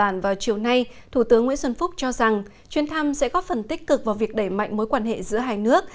nguyễn xuân phúc cho rằng chuyên thăm sẽ có phần tích cực vào việc đẩy mạnh mối quan hệ giữa hai nước